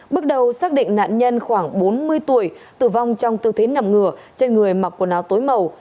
bước đầu xác định nạn nhân khoảng bốn mươi tuổi tử vong trong tư thế nằm ngửa trên người mặc quần áo tối màu